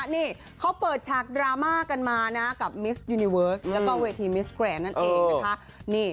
นี่เขาเปิดฉากดราม่ากันมานะกับมิสยูนิเวิร์สแล้วก็เวทีมิสแกรนด์นั่นเองนะคะ